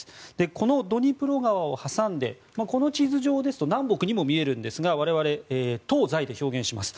このドニプロ川を挟んでこの地図上ですと南北にも見えるんですが我々、東西で表現します。